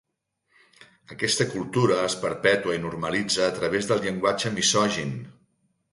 Aquesta cultura es perpetua i normalitza a través del llenguatge misogin.